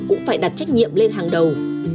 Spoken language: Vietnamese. cũng phải đặt trách nhiệm lên hàng đầu